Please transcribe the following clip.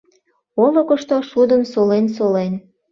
Олыкышто шудым солен-солен